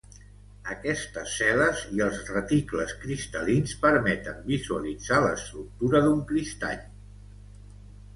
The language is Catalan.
Aquestes cel·les i els reticles cristal·lins permeten visualitzar l'estructura d'un cristall.